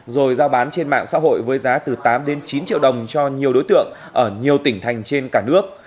rồi giao bán trên mạng xã hội với giá từ tám đến chín triệu đồng cho nhiều đối tượng ở nhiều tỉnh thành trên cả nước